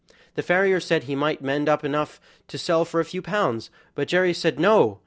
The farrier said he might mend up enough to sell for a few pounds, but Jerry said, no!